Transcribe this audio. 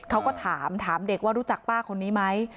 เขาก็ถามถามเด็กว่ารู้จักป้าคนนี้ไหม